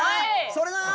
それなー！